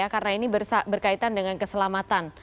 karena ini berkaitan dengan keselamatan